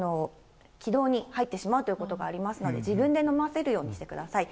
気道に入ってしまうということがありますので、自分で飲ませるようにしてください。